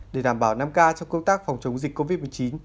để đảm bảo năm k trong công tác phòng chống dịch covid một mươi chín